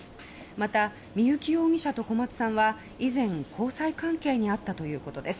また三幸容疑者と小松さんは以前交際関係にあったということです。